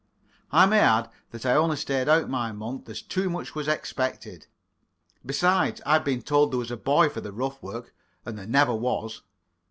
I may add that I only stayed out my month as too much was expected. Besides, I'd been told there was a boy for the rough work and there never was.